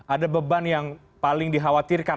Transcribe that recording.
ada beban yang paling dikhawatirkan